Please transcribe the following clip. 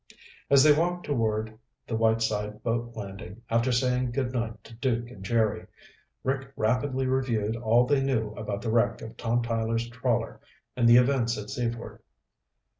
As they walked toward the Whiteside boat landing after saying good night to Duke and Jerry, Rick rapidly reviewed all they knew about the wreck of Tom Tyler's trawler and the events at Seaford.